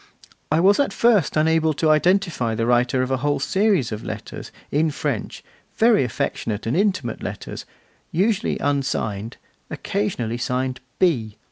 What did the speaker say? I was at first unable to identify the writer of a whole series of letters in French, very affectionate and intimate letters, usually unsigned, occasionally signed 'B.